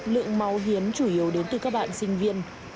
lượng máu hiến chủ yếu đến từ các bạn sinh viên